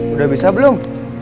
udah bisa belum